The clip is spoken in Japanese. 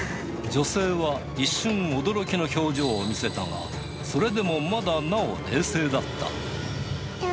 女性は、一瞬驚きの表情を見せたが、それでもまだなお冷静だった。